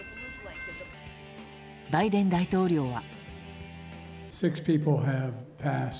バイデン大統領は。